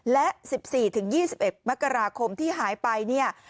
และ๑๔๒๑มกราคมที่หายไปเนี่ย